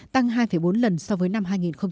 tăng hai bốn lần so với năm hai nghìn một mươi